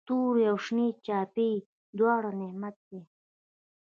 توري او شنې چايي دواړه نعمت دی.